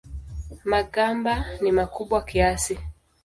Magamba ni makubwa kiasi.